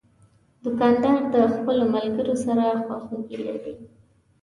دوکاندار د خپلو ملګرو سره خواخوږي لري.